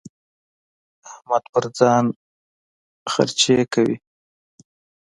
احمد پر ځان خرڅې کوي.